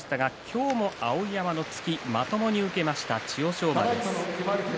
今日も碧山の突きをまともに受けてしまった千代翔馬。